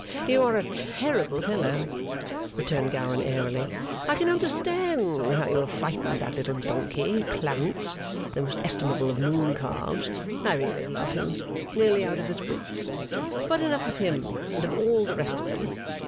You are a terrible fellow,' returned Gowan, airily. 'I can understand how you have frightened that little donkey, Clarence, the most estimable of moon calves (I really love him) nearly out of his wits. But enough of him, and of all the rest of them.